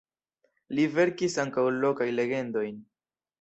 Li verkis ankaŭ lokajn legendojn.